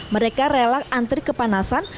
mereka relak antri kepanasan